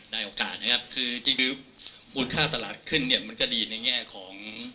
ได้โอกาสนะครับคือจริงมูลค่าตลาดขึ้นเนี่ยมันก็ดีในแง่ของ